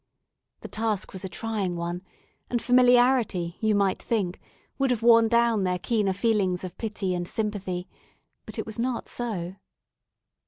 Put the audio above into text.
The task was a trying one, and familiarity, you might think, would have worn down their keener feelings of pity and sympathy; but it was not so.